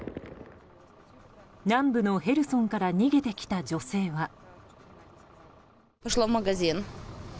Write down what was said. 南部のヘルソンから逃げてきた女性は。